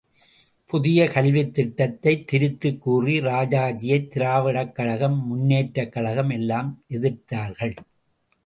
புதிய கல்வித் திட்டத்தைத் திரித்துக் கூறி ராஜாஜியை திராவிடக் கழகம் முன்னேற்றக் கழகம் எல்லாம் எதிர்த்தார்கள்.